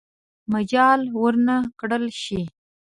مجال ورنه کړل شي.